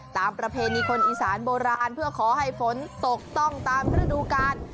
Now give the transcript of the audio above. ประเพณีคนอีสานโบราณเพื่อขอให้ฝนตกต้องตามฤดูกาล